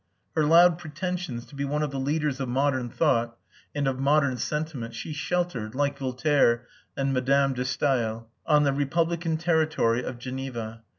Her loud pretensions to be one of the leaders of modern thought and of modern sentiment, she sheltered (like Voltaire and Mme. de Stael) on the republican territory of Geneva.